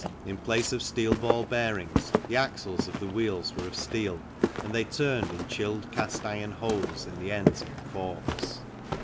in place of steel ball bearings the axles of the wheels were of steel and they turned in chilled cast iron holes in the ends of the forks.